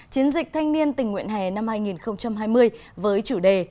chiến dịch thanh niên tình nguyện hè năm hai nghìn hai mươi với chủ đề